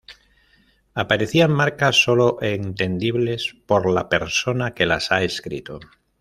aparecían marcas sólo entendibles por la persona que las ha escrito